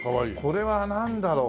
これはなんだろう？